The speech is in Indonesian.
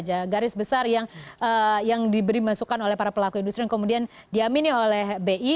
garis besar yang diberi masukan oleh para pelaku industri yang kemudian diamini oleh bi